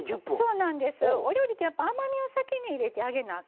お料理って、甘みを先に入れてあげなあ